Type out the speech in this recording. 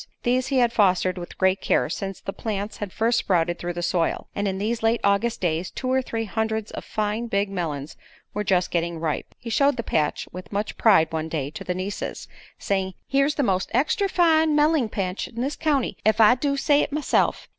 These he had fostered with great care since the plants had first sprouted through the soil, and in these late August days two or three hundreds of fine, big melons were just getting ripe. He showed the patch with much pride one day to the nieces, saying: "Here's the most extry fine melling patch in this county, ef I do say it myself.